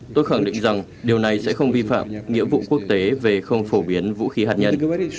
tôi khẳng định rằng điều này sẽ không vi phạm nghĩa vụ quốc tế về không phổ biến vũ khí hạt nhân